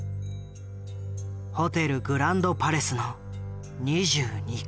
ホテルグランドパレスの２２階。